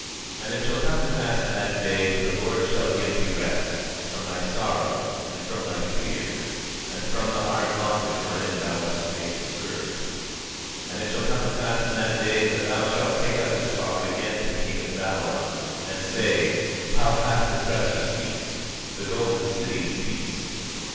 24:3 And it shall come to pass in that day that the Lord shall give thee rest, from thy sorrow, and from thy fear, and from the hard bondage wherein thou wast made to serve. 24:4 And it shall come to pass in that day, that thou shalt take up this proverb against the king of Babylon, and say: How hath the oppressor ceased, the golden city ceased!